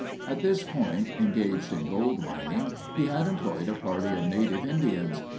At this point, engaged in gold mining, he had employed a party of native Indians.